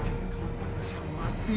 kamu akan tersiam mati